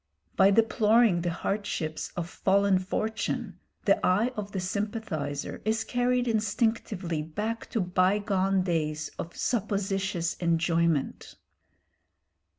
By deploring the hardships of fallen fortune the eye of the sympathiser is carried instinctively back to bygone days of supposititious enjoyment.